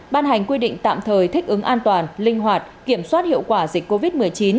ban hành quy định tạm thời thích ứng an toàn linh hoạt kiểm soát hiệu quả dịch covid một mươi chín